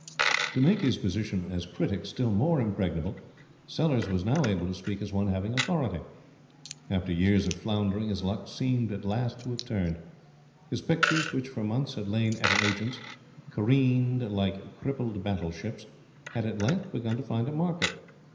To make his position as critic still more impregnable, Sellers was now able to speak as one having authority. After years of floundering, his luck seemed at last to have turned. His pictures, which for months had lain at an agent's, careened like crippled battleships, had at length begun to find a market.